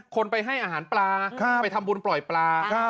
คนไปให้อาหารปลาไปทำบุญปล่อยปลา